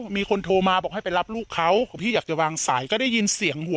มีคนโทรมาบอกให้ไปรับลูกเขาพี่อยากจะวางสายก็ได้ยินเสียงหัว